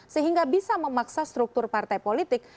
sehingga bisa memaksa struktur partai politik